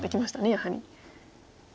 やはり。